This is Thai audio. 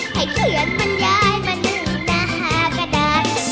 ให้เขียนมันย้ายมาหนึ่งหน้ากระดาษ